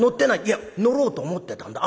いや乗ろうと思ってたんだ。